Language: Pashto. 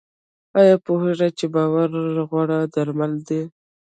ایا پوهیږئ چې باور غوره درمل دی؟